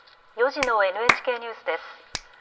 ４時のＮＨＫニュースです。